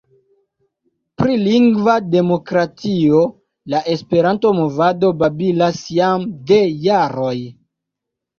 Pri lingva demokratio la Esperanto-movado babilas jam de jaroj.